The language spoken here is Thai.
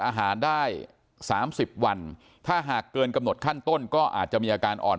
อาหารได้๓๐วันถ้าหากเกินกำหนดขั้นต้นก็อาจจะมีอาการอ่อน